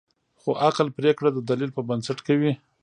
خو عقل پرېکړه د دلیل پر بنسټ کوي.